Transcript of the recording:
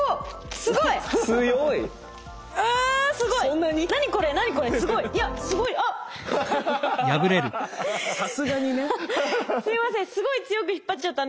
すいません。